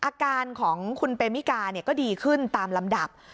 อาการของคุณเปมิกาก็ดีขึ้นตามลำดับ